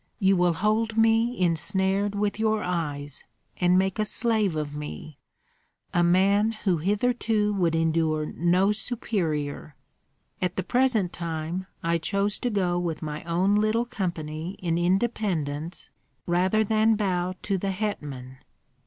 You will hold me ensnared with your eyes, and make a slave of me, a man who hitherto would endure no superior. At the present time I chose to go with my own little company in independence rather than bow to the hetman.